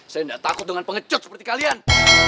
saya tidak takut dengan pengecut seperti kalian